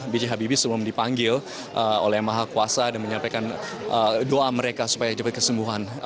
b j habibie sebelum dipanggil oleh maha kuasa dan menyampaikan doa mereka supaya dapat kesembuhan